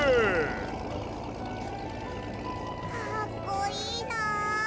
かっこいいなあ。